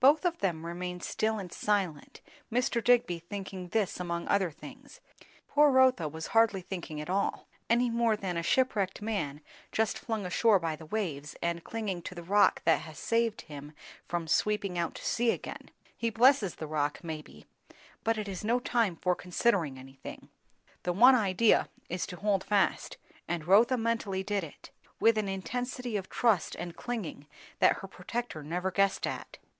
Both of them remained still and silent, Mr. Digby thinking this among other things; poor Rotha was hardly thinking at all, any more than a shipwrecked man just flung ashore by the waves, and clinging to the rock that has saved him from sweeping out to sea again, lie blesses the rock, maybe, but it is no time for considering anything. The one idea is to hold fast; and Rotha mentally did it, with an intensity of trust and clinging that her protector never guessed at.